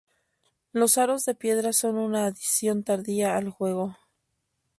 Los aros de piedra son una adición tardía al juego.